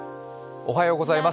おはようございます。